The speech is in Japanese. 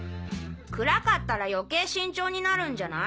暗かったら余計慎重になるんじゃない？